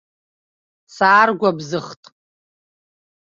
Сааргәыбзыӷт.